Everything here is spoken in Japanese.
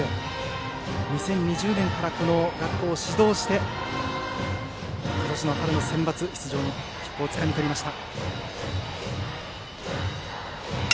２０２０年からこの学校を指導して今年の春のセンバツ出場の切符をつかみました。